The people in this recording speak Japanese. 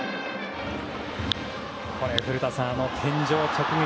古田さん、この天井直撃。